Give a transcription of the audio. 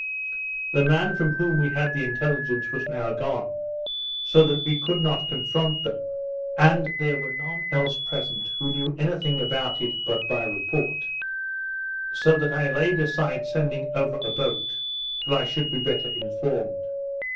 The man from whom we had the intelligence was now gone, so that we could not confront them, and there were none else present who knew any thing about it but by report; so that I laid aside sending over a boat till I should be better informed.